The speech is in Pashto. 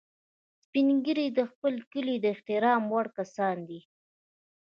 سپین ږیری د خپل کلي د احترام وړ کسان دي